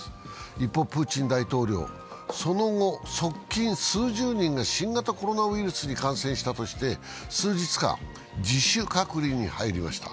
一方、プーチン大統領はその後、側近数十人が新型コロナウイルスに感染したとして、数日間、自主隔離に入りました。